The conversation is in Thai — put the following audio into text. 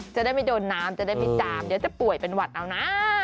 จะได้ไม่โดนน้ำจะได้ไม่จามเดี๋ยวจะป่วยเป็นหวัดเอานะ